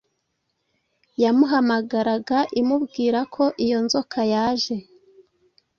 yamuhamagaraga imubwira ko iyo nzoka yaje